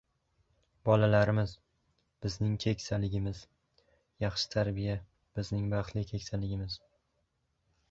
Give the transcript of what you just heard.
Bolalarimiz — bizning kek-saligimiz. Yaxshi tarbiya — bizning baxtli keksaligimiz